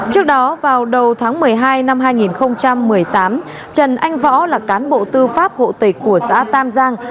trước đó vào đầu tháng một mươi hai năm hai nghìn một mươi tám trần anh võ là cán bộ tư pháp hộ tịch của xã tam giang